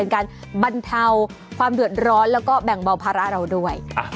การบรรเทาความเดือดร้อนแล้วก็แบ่งเบาภาระเราด้วย